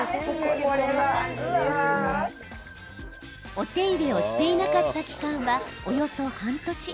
お手入れをしていなかった期間はおよそ半年。